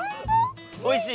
おいしい？